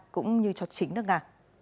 cũng như cho chính nước nga